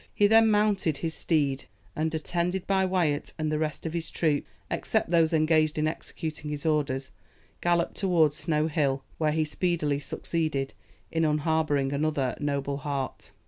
He then mounted his steed, and, attended by Wyat and the rest of his troop, except those engaged in executing his orders, galloped towards Snow Hill, where he speedily succeeded in unharbouring another noble hart.